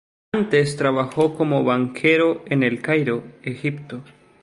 Antes trabajó como banquero en El Cairo, Egipto.